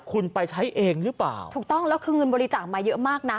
คุณไปใช้เองหรือเปล่าถูกต้องแล้วคือเงินบริจาคมาเยอะมากนะ